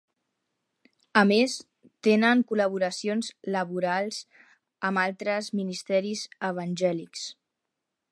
A més, tenen col·laboracions laborals amb altres ministeris evangèlics.